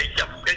mình cũng muốn